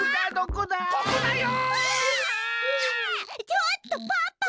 ちょっとパパ！